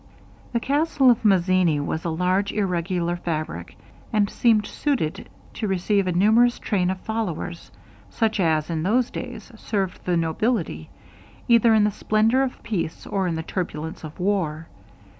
The castle of Mazzini was a large irregular fabrick, and seemed suited to receive a numerous train of followers, such as, in those days, served the nobility, either in the splendour of peace, or the turbulence of war.